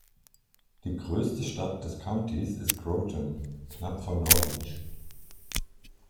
Die größte Stadt des Countys ist Groton, knapp vor Norwich.